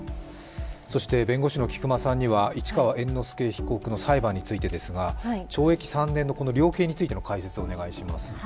そして弁護士の菊間さんには市川猿之助被告の裁判ですが、懲役３年の量刑についての解説をお願いします。